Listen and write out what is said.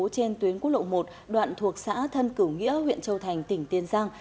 trên tuyến quốc lộ một đoạn thuộc xã thân cửu nghĩa huyện châu thành tỉnh tiền giang